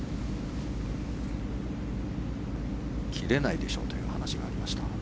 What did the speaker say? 切れないでしょうという話がありました。